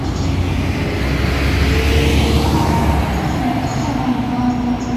但是此两种方法都使用了容易被空气中微粒子污染的大气气体。